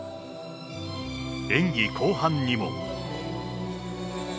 演技後半にも。